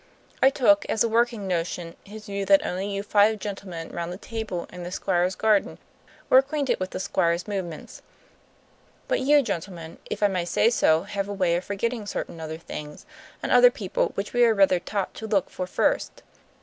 I took, as a working notion, his view that only you five gentlemen round the table in the Squire's garden were acquainted with the Squire's movements. But you gentlemen, if I may say so, have a way of forgetting certain other things and other people which we are rather taught to look for first.